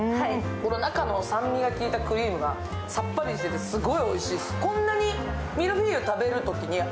中の酸味が効いたクリームがさっぱりしてておいしいです。